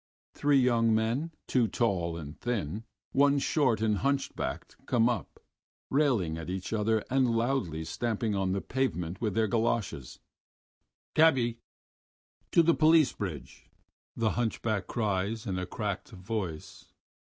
Three young men, two tall and thin, one short and hunchbacked, come up, railing at each other and loudly stamping on the pavement with their goloshes. "Cabby, to the Police Bridge!" the hunchback cries in a cracked voice.